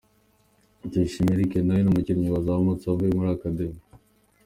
Tuyishime Eric nawe ni umukinnyi wazamutse avuye muri Academy.